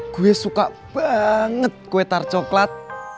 gue suka banget kue tar coklat